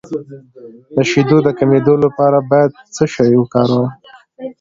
د شیدو د کمیدو لپاره باید څه شی وکاروم؟